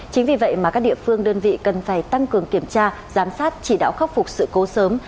chính vì vậy mà các địa phương đơn vị cần phải tăng cường kiểm tra giám sát chỉ đạo khắc phục sự cố sớm